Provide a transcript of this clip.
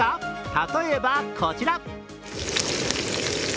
例えばこちら。